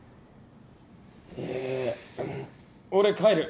えー俺帰る。